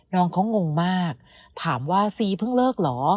น้องเขางงมากถามว่าซีเพิ่งเลิกเหรอ